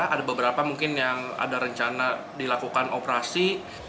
ada beberapa mungkin yang ada rencana dilakukan operasi